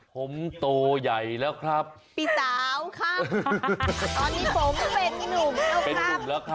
ผมโตใหญ่แล้วครับปีเต๋าครับตอนนี้ผมก็เป็นหนุ่มแล้วครับ